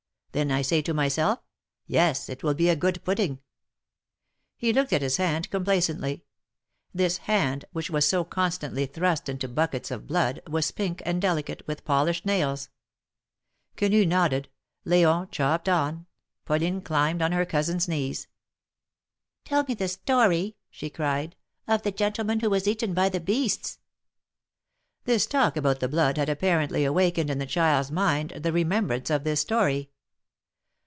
Then I say to myself: 'Yes, it will be a good pudding.'" He looked at his hand complacently. This hand, which was so constantly thrust into buckets of blood, was pink and delicate, with polished nails. Quenu nodded — L4on chopped on — Pauline climbed on her cousin's knees. " Tell me the story," she cried, " of the gentleman who was eaten by the beasts !" This talk about the blood had apparently awakened in the child's mind the remembrance of this story.